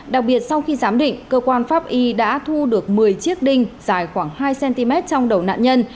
đặc biệt sau khi giám định cơ quan pháp y đã thu được một mươi chiếc đinh dài khoảng hai cm trong đầu nạn nhân